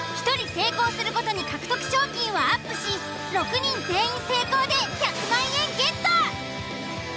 １人成功するごとに獲得賞金はアップし６人全員成功で１００万円ゲット！